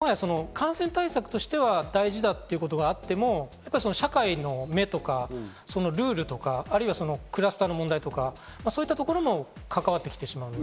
社会的なものがあるので、感染対策としては大事だということがあっても、社会の目とかルールとか、あるいはクラスターの問題とか、そういうところとも関わってきてしまう。